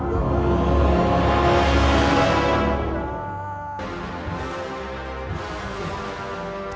kekalahan patih manggala